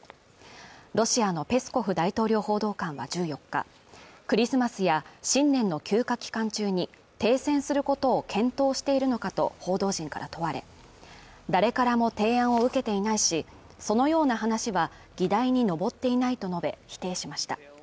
ロシアのペスコフ大統領報道官は１４日クリスマスや新年の休暇期間中に停戦することを検討しているのかと報道陣から問われ誰からも提案を受けていないしそのような話は議題に上っていないと述べ否定しました